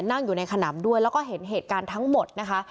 นั่งอยู่ในขนำด้วยแล้วก็เห็นเหตุการณ์ทั้งหมดนะคะ